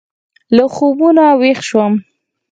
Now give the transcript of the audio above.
له خوبه وېښ شوم.